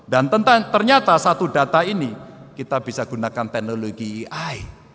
dan ternyata satu data ini kita bisa gunakan teknologi iai